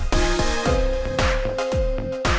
baru sebentar duduk deketan